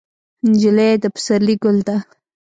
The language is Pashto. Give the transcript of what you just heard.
نجلۍ د پسرلي ګل ده.